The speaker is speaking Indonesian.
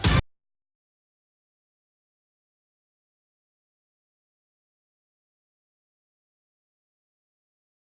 sampai sekarang belum